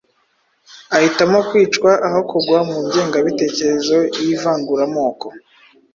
ahitamo kwicwa aho kugwa mu ngengabitekerezo y’ivanguramoko.